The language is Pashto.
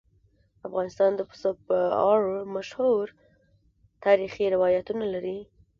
افغانستان د پسه په اړه مشهور تاریخی روایتونه لري.